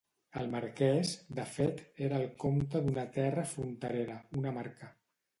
El marquès, de fet, era el comte d'una terra fronterera, una marca.